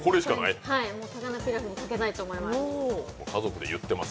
高菜ピラフにかけたいと思います。